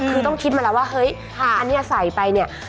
คือต้องคิดมาแล้วว่าเฮ้ยอันนี้ใส่ไปเนี่ย